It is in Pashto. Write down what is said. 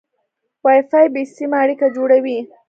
وای فای بې سیمه اړیکه جوړوي.